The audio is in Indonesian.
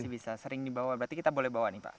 bisa sering dibawa berarti kita boleh bawa nih pak